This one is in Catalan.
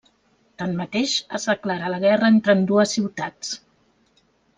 Tanmateix, es declara la guerra entre ambdues ciutats.